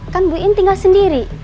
kan buin tinggal sendiri